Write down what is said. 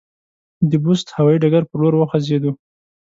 د بُست هوایي ډګر پر لور وخوځېدو.